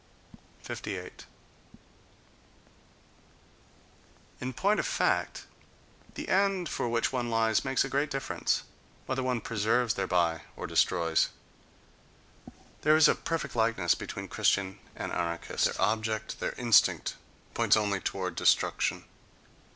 Few men are noble. 58. In point of fact, the end for which one lies makes a great difference: whether one preserves thereby or destroys. There is a perfect likeness between Christian and anarchist: their object, their instinct, points only toward destruction.